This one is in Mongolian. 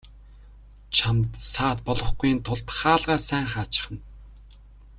Чамд саад болохгүйн тулд хаалгаа сайн хаачихна.